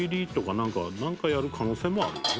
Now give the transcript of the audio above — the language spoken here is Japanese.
なんかやる可能性もあるんだね。